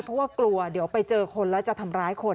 เพราะว่ากลัวเดี๋ยวไปเจอคนแล้วจะทำร้ายคน